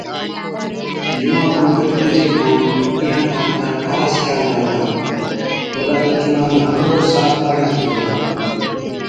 جُوئان کن بَچڻي چي ڪاڻ اِينهان باتان چا خاص خيال راکا، ٺوڏا چي جُونڻان هر روز صاف ڌووا۔